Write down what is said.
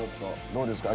どうですか？